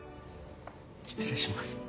失礼します。